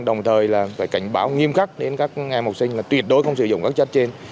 đồng thời là phải cảnh báo nghiêm khắc đến các em học sinh là tuyệt đối không sử dụng các chất trên